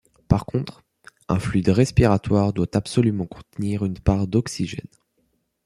Par contre, un fluide respiratoire doit absolument contenir une part d'oxygène.